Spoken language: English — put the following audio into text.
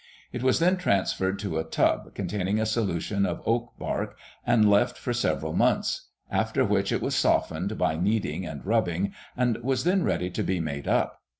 It was then transferred to a tub containing a solution of oak bark and left for several months, after which it was softened by kneading and rubbing, and was then ready to be made up.